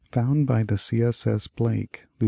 found by the C. S. S. Blake, Lieut.